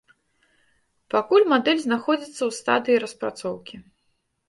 Пакуль мадэль знаходзіцца ў стадыі распрацоўкі.